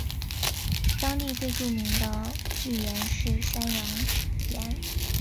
当地最著名的巨岩是山羊岩。